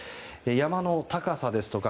山の高さですとか